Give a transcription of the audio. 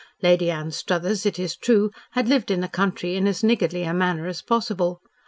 Lady Anstruthers, it is true, had lived in the country in as niggardly a manner as possible.